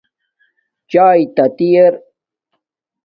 چایے تاتی ار